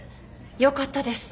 よかったです